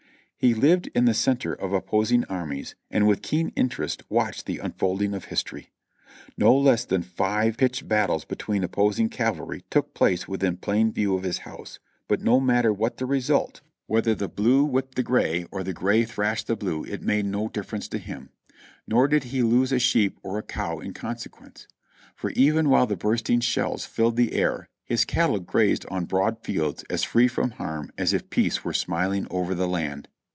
He lived in the center of opposing armies and with keen interest watched the unfolding of history. No less than five pitched battles between opposing cavalry took place within plain view of his house ; but no matter what the result : whether the 436 JOHNNY re;b and bii,i,y yank blue whipped the gray, or the gray thrashed the blue, it made no difference to him; nor did he lose a sheep or a cow in conse quence; for even while the bursting shells filled the air, his cattle grazed on his broad fields as free from harm as if peace were smiling over the land.